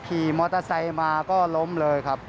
ขี่มอเตอร์ไซค์มาก็ล้มเลยครับ